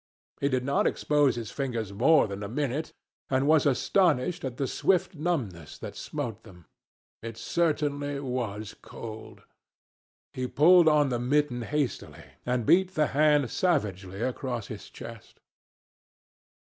He did not expose his fingers more than a minute, and was astonished at the swift numbness that smote them. It certainly was cold. He pulled on the mitten hastily, and beat the hand savagely across his chest.